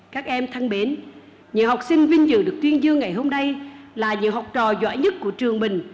các em thân mến nhiều học sinh viên dự được tuyên dương ngày hôm nay là nhiều học trò giỏi nhất của trường mình